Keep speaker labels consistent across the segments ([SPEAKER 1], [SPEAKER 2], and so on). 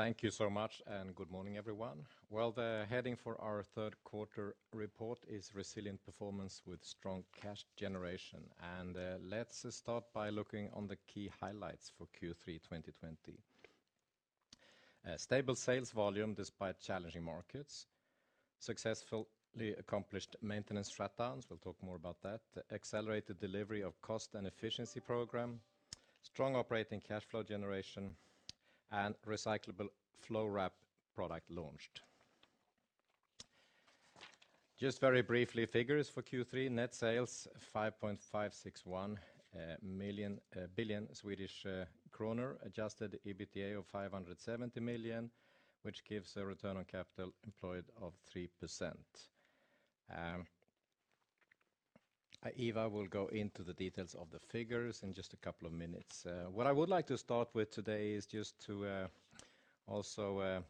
[SPEAKER 1] Thank you so much, and good morning, everyone. Well, the heading for our third quarter report is Resilient Performance with Strong Cash Generation. Let's start by looking on the key highlights for Q3 2020. Stable sales volume despite challenging markets. Successfully accomplished maintenance shutdowns, we will talk more about that. Accelerated delivery of cost and efficiency program. Strong operating cash flow generation, and Recyclable Flow Wrap product launched. Just very briefly, figures for Q3: net sales 5.561 billion Swedish kronor, adjusted EBITDA of 570 million, which gives a return on capital employed of 3%. Ivar will go into the details of the figures in just a couple of minutes. What I would like to start with today is just to also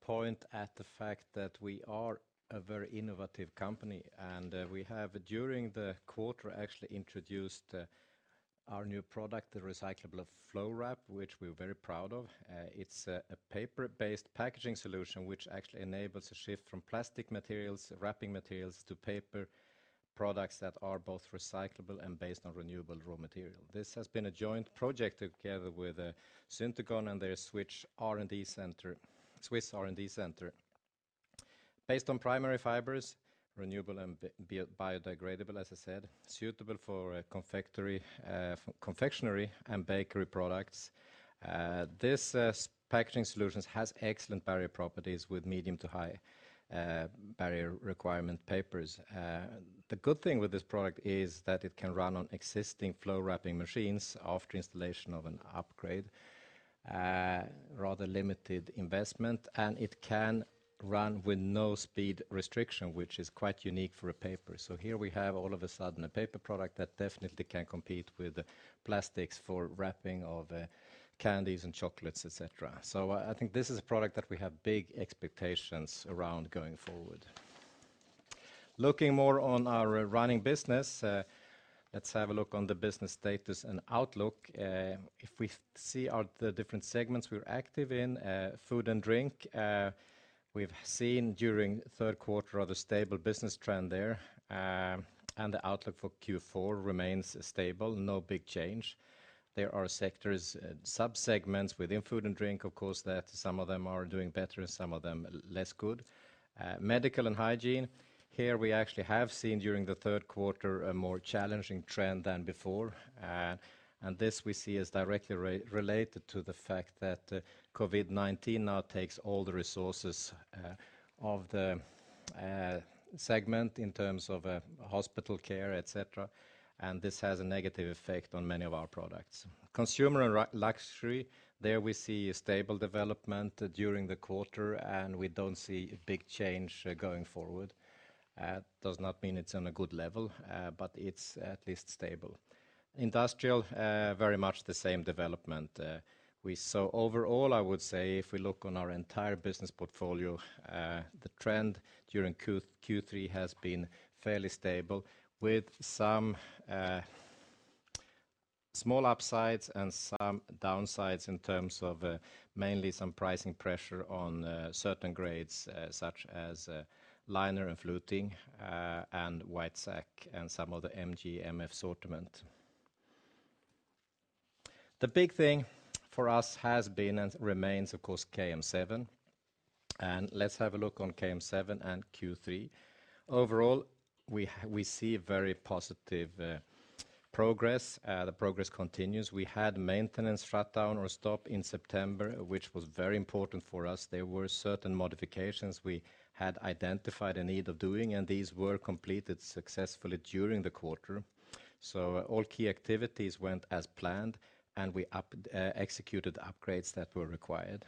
[SPEAKER 1] point at the fact that we are a very innovative company, and we have, during the quarter, actually introduced our new product, the Recyclable Flow Wrap, which we're very proud of. It's a paper-based packaging solution, which actually enables a shift from plastic materials, wrapping materials, to paper products that are both recyclable and based on renewable raw material. This has been a joint project together with Syntegon and their Swiss R&D center. Based on primary fibers, renewable and biodegradable, as I said, suitable for confectionery and bakery products. These packaging solutions have excellent barrier properties with medium to high barrier requirement papers. The good thing with this product is that it can run on existing flow wrapping machines after installation of an upgrade, rather limited investment, and it can run with no speed restriction, which is quite unique for a paper. Here we have all of a sudden a paper product that definitely can compete with plastics for wrapping of candies and chocolates, et cetera. I think this is a product that we have big expectations around going forward. Looking more on our running business, let's have a look on the business status and outlook. If we see the different segments we're active in, food and drink, we've seen during the third quarter, rather stable business trend there, and the outlook for Q4 remains stable. No big change. There are sectors, sub-segments within food and drink, of course, that some of them are doing better and some of them less good. Medical and hygiene. Here, we actually have seen during the third quarter a more challenging trend than before. This we see as directly related to the fact that COVID-19 now takes all the resources of the segment in terms of hospital care, et cetera, and this has a negative effect on many of our products. Consumer and luxury. There, we see a stable development during the quarter, and we don't see a big change going forward. Does not mean it's on a good level, but it's at least stable. Industrial, very much the same development. Overall, I would say if we look on our entire business portfolio, the trend during Q3 has been fairly stable, with some small upsides and some downsides in terms of mainly some pricing pressure on certain grades, such as liner and fluting, and white sack and some of the MG, MF assortment. The big thing for us has been, and remains, of course, KM7. Let's have a look on KM7 and Q3. Overall, we see very positive progress. The progress continues. We had maintenance shutdown or stop in September, which was very important for us. There were certain modifications we had identified a need of doing, and these were completed successfully during the quarter. All key activities went as planned, and we executed upgrades that were required.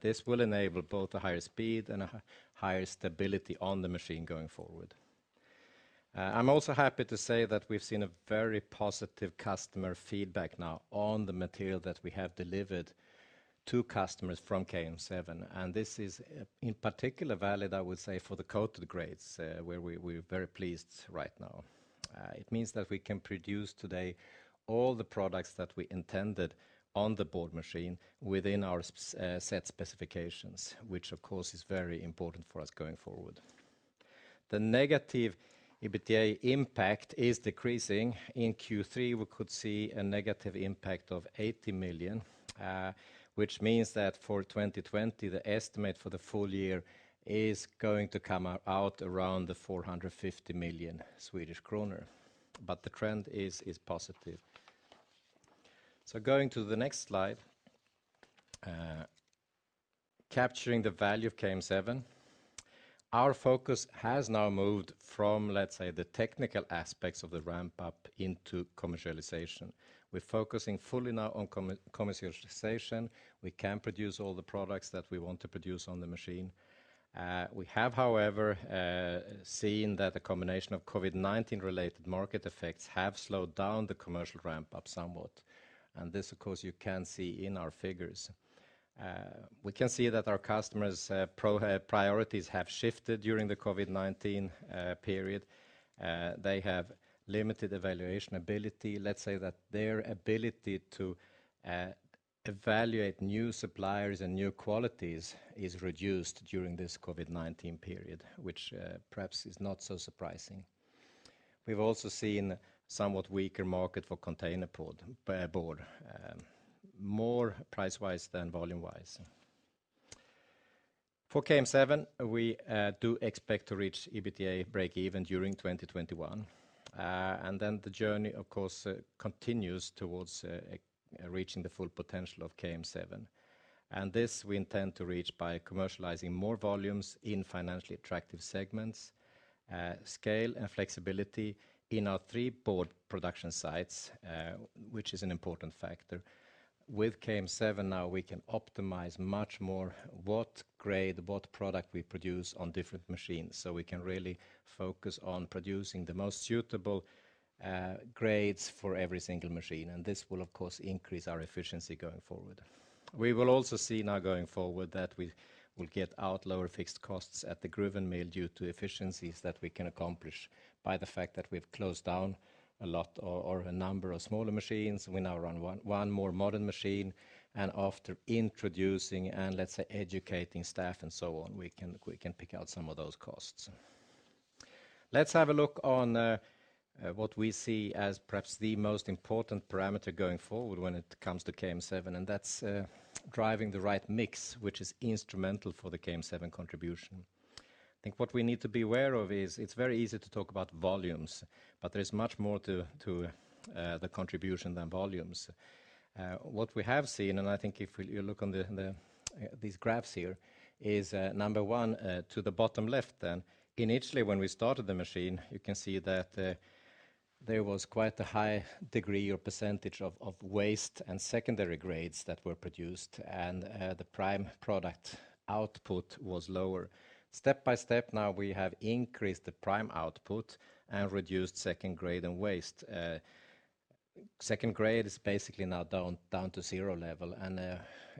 [SPEAKER 1] This will enable both a higher speed and a higher stability on the machine going forward. I'm also happy to say that we've seen a very positive customer feedback now on the material that we have delivered to customers from KM7, and this is in particular valid, I would say, for the coated grades, where we're very pleased right now. It means that we can produce today all the products that we intended on the board machine within our set specifications, which of course, is very important for us going forward. The negative EBITDA impact is decreasing. In Q3, we could see a negative impact of 80 million, which means that for 2020, the estimate for the full year is going to come out around 450 million Swedish kronor. The trend is positive. Going to the next slide. Capturing the value of KM7. Our focus has now moved from, let's say, the technical aspects of the ramp-up into commercialization. We're focusing fully now on commercialization. We can produce all the products that we want to produce on the machine. We have, however, seen that the combination of COVID-19-related market effects have slowed down the commercial ramp-up somewhat. This, of course, you can see in our figures. We can see that our customers' priorities have shifted during the COVID-19 period. They have limited evaluation ability. Let's say that their ability to evaluate new suppliers and new qualities is reduced during this COVID-19 period, which perhaps is not so surprising. We've also seen somewhat weaker market for container board, more price-wise than volume-wise. For KM7, we do expect to reach EBITDA breakeven during 2021. Then the journey, of course, continues towards reaching the full potential of KM7. This, we intend to reach by commercializing more volumes in financially attractive segments, scale, and flexibility in our three board production sites, which is an important factor. With KM7 now, we can optimize much more what grade, what product we produce on different machines. We can really focus on producing the most suitable grades for every single machine. This will, of course, increase our efficiency going forward. We will also see now going forward that we will get out lower fixed costs at the Gruvön Mill due to efficiencies that we can accomplish by the fact that we've closed down a lot or a number of smaller machines. We now run one more modern machine, and after introducing and, let's say, educating staff and so on, we can pick out some of those costs. Let's have a look on what we see as perhaps the most important parameter going forward when it comes to KM7, and that's driving the right mix, which is instrumental for the KM7 contribution. I think what we need to be aware of is it's very easy to talk about volumes, but there is much more to the contribution than volumes. What we have seen, and I think if you look on these graphs here, is number one, to the bottom left, initially when we started the machine, you can see that there was quite a high degree or percentage of waste and secondary grades that were produced, and the prime product output was lower. Step by step now, we have increased the prime output and reduced second grade and waste. Second grade is basically now down to zero level.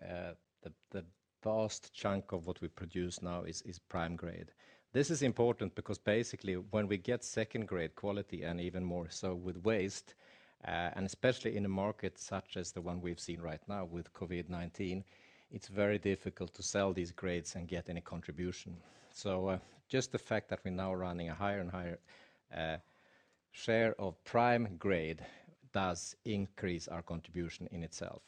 [SPEAKER 1] The vast chunk of what we produce now is prime grade. This is important because basically when we get second-grade quality and even more so with waste, and especially in a market such as the one we've seen right now with COVID-19, it's very difficult to sell these grades and get any contribution. Just the fact that we're now running a higher and higher share of prime grade does increase our contribution in itself.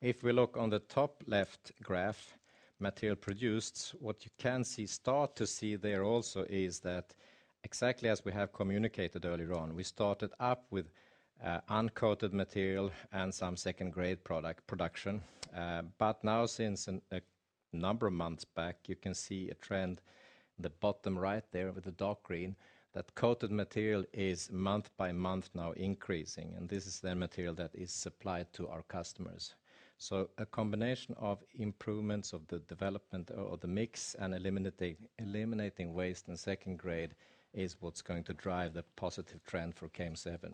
[SPEAKER 1] If we look on the top left graph, material produced, what you can start to see there also is that exactly as we have communicated earlier on, we started up with uncoated material and some second-grade production. Now since a number of months back, you can see a trend, the bottom right there with the dark green, that coated material is month by month now increasing. This is the material that is supplied to our customers. A combination of improvements of the development of the mix and eliminating waste and second grade is what's going to drive the positive trend for KM7.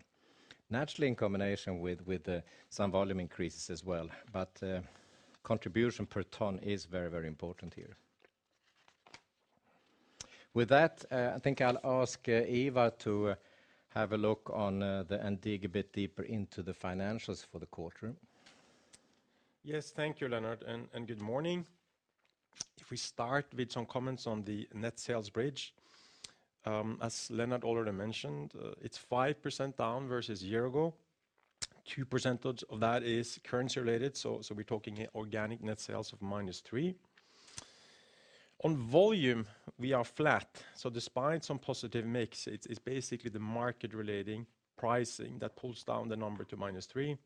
[SPEAKER 1] Naturally, in combination with some volume increases as well, but contribution per ton is very, very important here. With that, I think I'll ask Ivar to have a look on and dig a bit deeper into the financials for the quarter.
[SPEAKER 2] Yes. Thank you, Lennart, and good morning. We start with some comments on the net sales bridge, as Lennart already mentioned, it's 5% down versus a year ago. 2% of that is currency related, we're talking organic net sales of -3%. On volume, we are flat. Despite some positive mix, it's basically the market relating pricing that pulls down the number to -3%.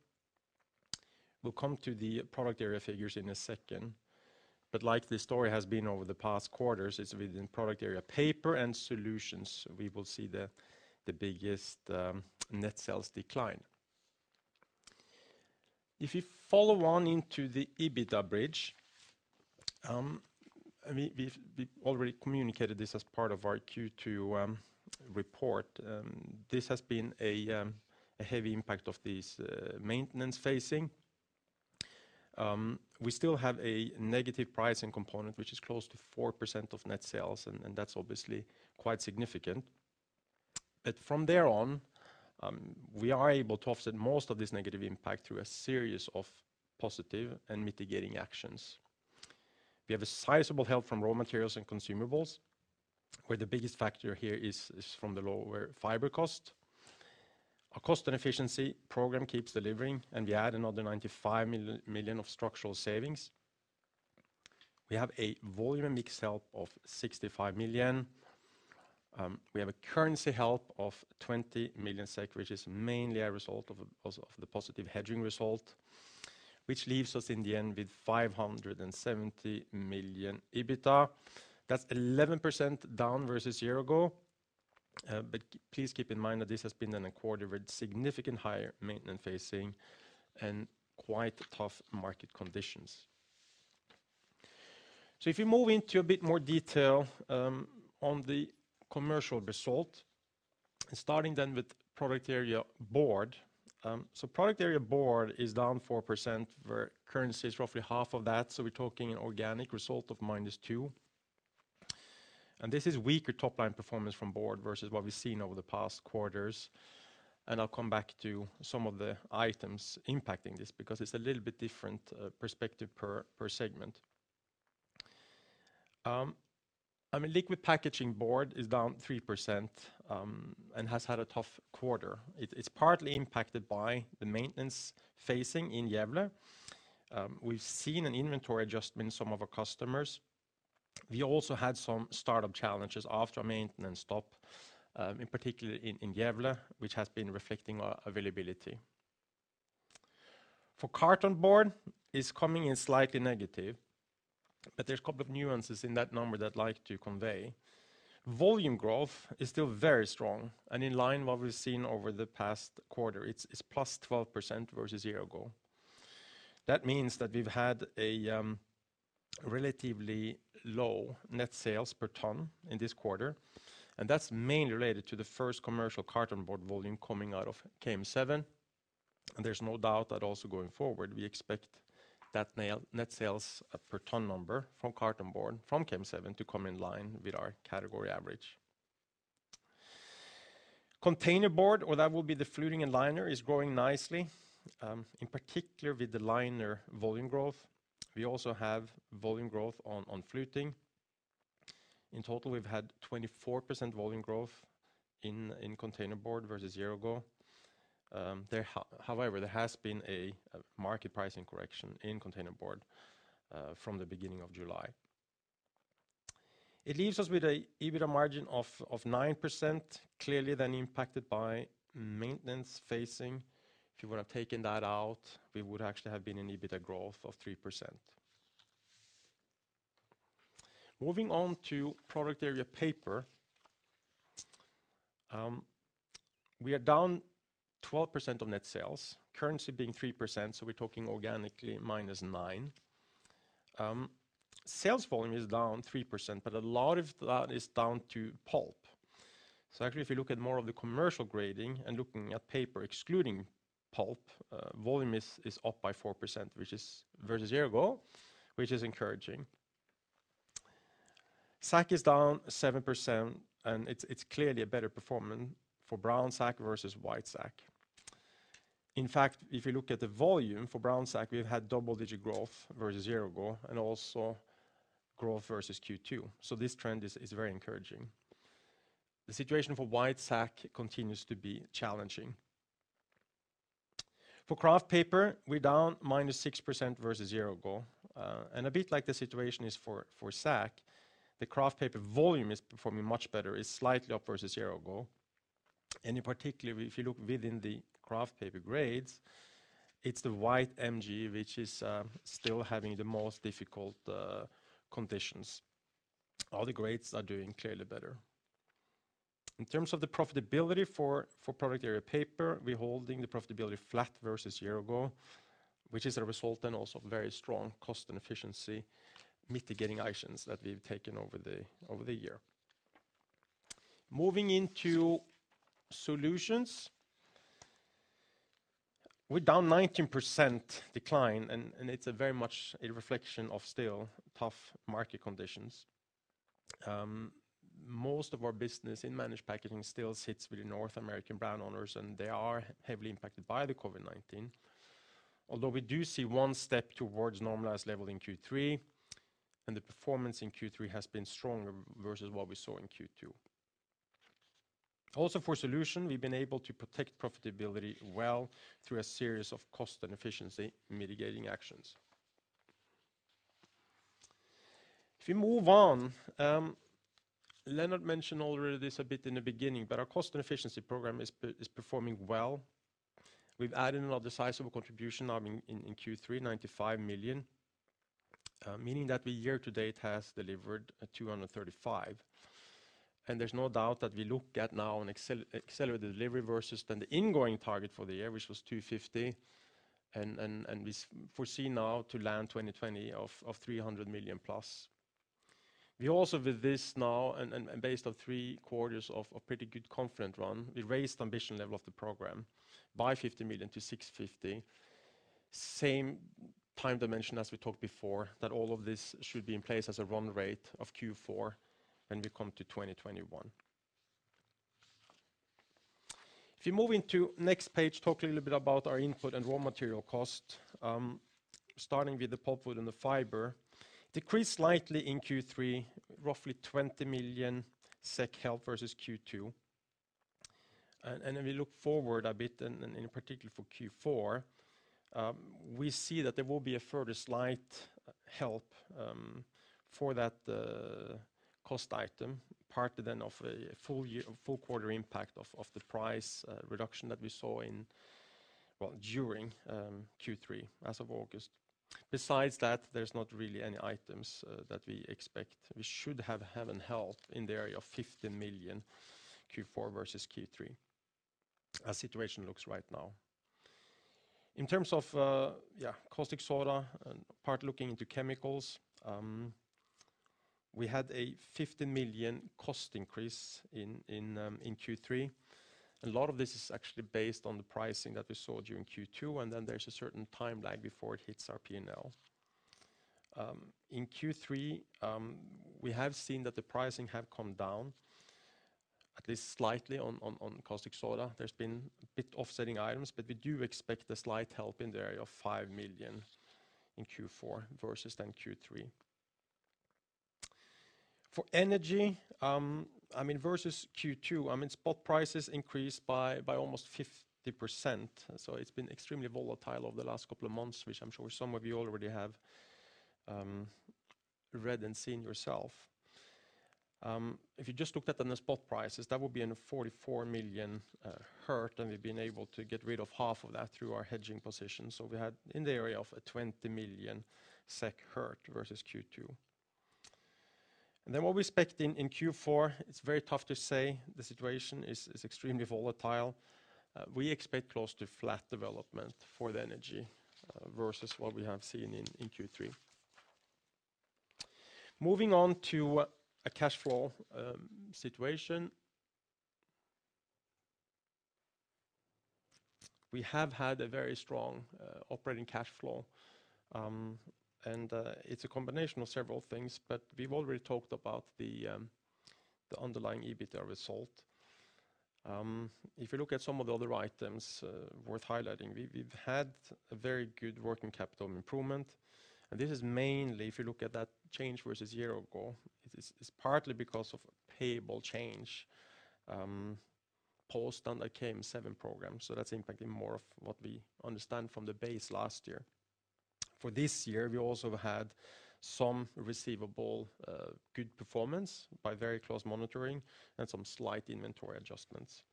[SPEAKER 2] We'll come to the product area figures in a second. Like the story has been over the past quarters, it's within product area paper and solutions, we will see the biggest net sales decline. You follow on into the EBITDA bridge, we've already communicated this as part of our Q2 report. This has been a heavy impact of this maintenance phasing. We still have a negative pricing component, which is close to 4% of net sales, and that's obviously quite significant. From there on, we are able to offset most of this negative impact through a series of positive and mitigating actions. We have a sizable help from raw materials and consumables, where the biggest factor here is from the lower fiber cost. Our cost and efficiency program keeps delivering, and we add another 95 million of structural savings. We have a volume mix help of 65 million. We have a currency help of 20 million SEK, which is mainly a result of the positive hedging result, which leaves us in the end with 570 million EBITDA. That's 11% down versus a year ago. Please keep in mind that this has been in a quarter with significant higher maintenance phasing and quite tough market conditions. If you move into a bit more detail on the commercial result, starting then with product area board. Product area board is down 4%, where currency is roughly half of that, we're talking an organic result of -2%. This is weaker top-line performance from board versus what we've seen over the past quarters, and I'll come back to some of the items impacting this because it's a little bit different perspective per segment. Liquid packaging board is down 3% and has had a tough quarter. It's partly impacted by the maintenance phasing in Gävle. We've seen an inventory adjustment in some of our customers. We also had some startup challenges after a maintenance stop, in particular in Gävle, which has been reflecting our availability. For carton board, it's coming in slightly negative, but there's a couple of nuances in that number that I'd like to convey. Volume growth is still very strong and in line what we've seen over the past quarter. It's +12% versus a year ago. That means that we've had a relatively low net sales per ton in this quarter, and that's mainly related to the first commercial carton board volume coming out of KM7. There's no doubt that also going forward, we expect that net sales per ton number from carton board from KM7 to come in line with our category average. container board, or that will be the fluting and liner, is growing nicely, in particular with the liner volume growth. We also have volume growth on fluting. In total, we've had 24% volume growth in container board versus a year ago. There has been a market pricing correction in container board from the beginning of July. It leaves us with an EBITDA margin of 9%, clearly then impacted by maintenance phasing. If you would have taken that out, we would actually have been an EBITDA growth of 3%. Moving on to product area paper. We are down 12% on net sales, currency being 3%, we're talking organically -9%. Sales volume is down 3%, a lot of that is down to pulp. If you look at more of the commercial grading and looking at paper excluding pulp, volume is up by 4% versus a year ago, which is encouraging. sack is down 7%, it's clearly a better performance for brown sack versus white sack. In fact, if you look at the volume for brown sack, we've had double-digit growth versus a year ago and also growth versus Q2. This trend is very encouraging. The situation for white sack continues to be challenging. For kraft paper, we're down -6% versus a year ago. A bit like the situation is for sack, the kraft paper volume is performing much better. It's slightly up versus a year ago. In particular, if you look within the kraft paper grades, it's the white MG which is still having the most difficult conditions. All the grades are doing clearly better. In terms of the profitability for product area paper, we're holding the profitability flat versus a year ago, which is a result and also very strong cost and efficiency mitigating actions that we've taken over the year. Moving into solutions. We're down 19% decline, it's very much a reflection of still tough market conditions. Most of our business in Managed Packaging still sits with the North American brand owners, and they are heavily impacted by the COVID-19. Although we do see one step towards normalized level in Q3, and the performance in Q3 has been stronger versus what we saw in Q2. Also for solution, we've been able to protect profitability well through a series of cost and efficiency mitigating actions. If we move on, Lennart mentioned already this a bit in the beginning, but our cost and efficiency program is performing well. We've added another sizable contribution now in Q3, 95 million, meaning that the year to date has delivered 235 million. There's no doubt that we look at now an accelerated delivery versus than the ingoing target for the year, which was 250, and we foresee now to land 2020 of 300 million plus. We also with this now, and based on three quarters of a pretty good confident run, we raised the ambition level of the program by 50 million to 650 million. Same time dimension as we talked before, that all of this should be in place as a run rate of Q4 when we come to 2021. If you move into next page, talk a little bit about our input and raw material cost, starting with the pulpwood and the fiber. Decreased slightly in Q3, roughly 20 million SEK help versus Q2. If we look forward a bit, in particular for Q4, we see that there will be a further slight help for that cost item, partly then of a full quarter impact of the price reduction that we saw during Q3 as of August. Besides that, there's not really any items that we expect. We should have an help in the area of 15 million Q4 versus Q3, as situation looks right now. In terms of caustic soda and part looking into chemicals, we had a 50 million cost increase in Q3. A lot of this is actually based on the pricing that we saw during Q2, and then there's a certain timeline before it hits our P&L. In Q3, we have seen that the pricing have come down at least slightly on caustic soda. There's been a bit offsetting items. We do expect a slight help in the area of 5 million in Q4 versus then Q3. For energy, versus Q2, spot prices increased by almost 50%. It's been extremely volatile over the last couple of months, which I'm sure some of you already have read and seen yourself. If you just looked at the spot prices, that would be in 44 million hurt, and we've been able to get rid of half of that through our hedging position. We had in the area of a 20 million SEK hurt versus Q2. What we expect in Q4, it's very tough to say. The situation is extremely volatile. We expect close to flat development for the energy versus what we have seen in Q3. Moving on to a cash flow situation. We have had a very strong operating cash flow, and it's a combination of several things. We've already talked about the underlying EBITDA result. If you look at some of the other items worth highlighting, we've had a very good working capital improvement, and this is mainly, if you look at that change versus a year ago, it's partly because of payable change post on the KM7 program. That's impacting more of what we understand from the base last year. For this year, we also had some receivable good performance by very close monitoring and some slight inventory adjustments.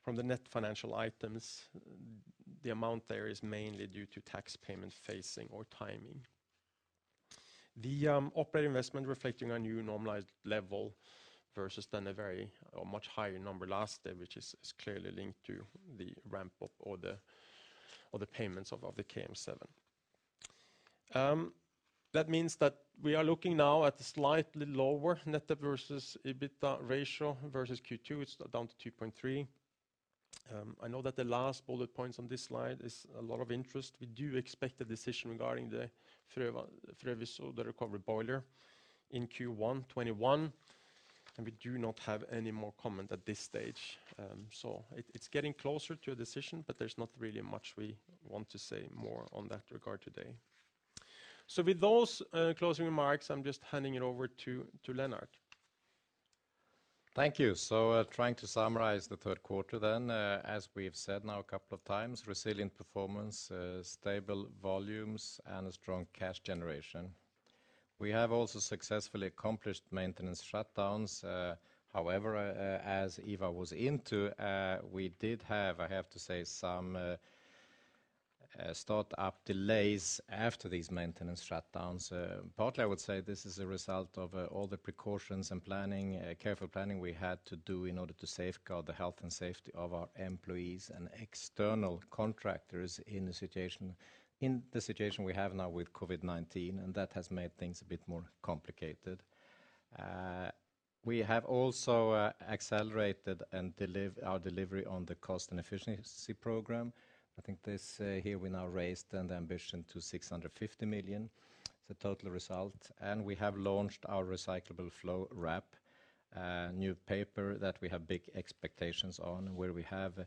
[SPEAKER 2] From the net financial items, the amount there is mainly due to tax payment phasing or timing. The operating investment reflecting a new normalized level versus then a very much higher number last year, which is clearly linked to the ramp-up or the payments of the KM7. That means that we are looking now at a slightly lower net debt versus EBITDA ratio versus Q2. It's down to 2.3%. I know that the last bullet points on this slide is a lot of interest. We do expect a decision regarding the Frövi, the recovery boiler in Q1 2021, we do not have any more comment at this stage. It's getting closer to a decision, there's not really much we want to say more on that regard today. With those closing remarks, I'm just handing it over to Lennart.
[SPEAKER 1] Thank you. Trying to summarize the third quarter then, as we've said now a couple of times, resilient performance, stable volumes, and a strong cash generation. We have also successfully accomplished maintenance shutdowns. However, as Ivar was into, we did have, I have to say, some start-up delays after these maintenance shutdowns. Partly, I would say this is a result of all the precautions and careful planning we had to do in order to safeguard the health and safety of our employees and external contractors in the situation we have now with COVID-19, and that has made things a bit more complicated. We have also accelerated our delivery on the cost and efficiency program. I think this here we now raised the ambition to 650 million, the total result, and we have launched our Recyclable Flow Wrap, a new paper that we have big expectations on, where we have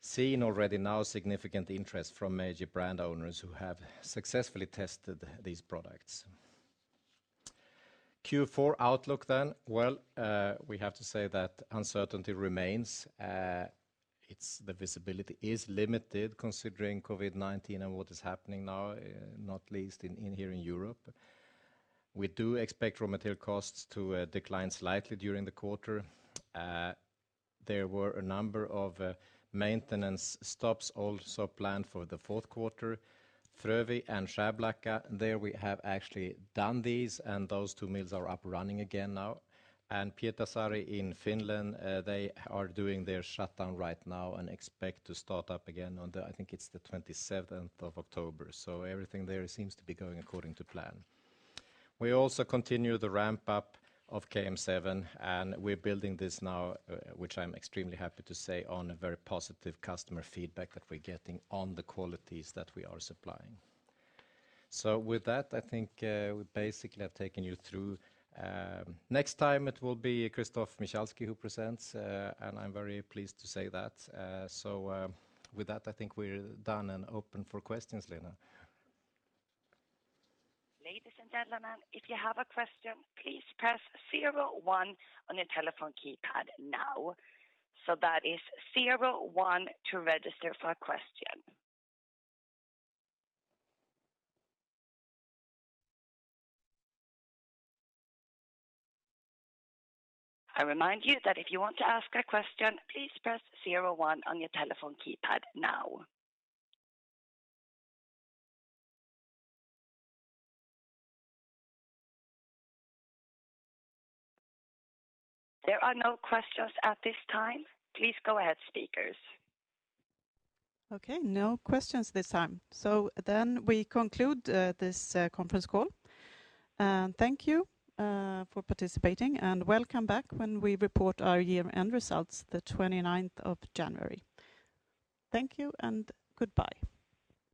[SPEAKER 1] seen already now significant interest from major brand owners who have successfully tested these products. Q4 outlook. Well, we have to say that uncertainty remains. The visibility is limited considering COVID-19 and what is happening now, not least here in Europe. We do expect raw material costs to decline slightly during the quarter. There were a number of maintenance stops also planned for the fourth quarter. Frövi and Skärblacka, there we have actually done these, and those two mills are up running again now. Pietarsaari in Finland, they are doing their shutdown right now and expect to start up again on, I think it's the 27th of October. Everything there seems to be going according to plan. We also continue the ramp-up of KM7, and we're building this now, which I'm extremely happy to say, on a very positive customer feedback that we're getting on the qualities that we are supplying. With that, I think we basically have taken you through. Next time it will be Christoph Michalski who presents, and I'm very pleased to say that. With that, I think we're done and open for questions, Lena.
[SPEAKER 3] Ladies and gentlemen, if you have a question, please press zero, one on your telephone keypad now. That is zero, one to register for a question. I remind you that if you want to ask a question, please press zero, one on your telephone keypad now. There are no questions at this time. Please go ahead, speakers.
[SPEAKER 4] Okay, no questions this time. We conclude this conference call. Thank you for participating, and welcome back when we report our year-end results the 29th of January. Thank you and goodbye